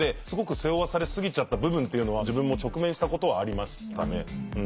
すごく背負わされすぎちゃった部分っていうのは自分も直面したことはありましたね。